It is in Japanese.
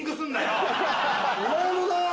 お前もな。